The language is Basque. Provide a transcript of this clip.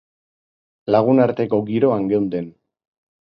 Lagunarteko giroan geunden.